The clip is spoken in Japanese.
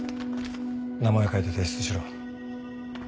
名前を書いて提出しろ。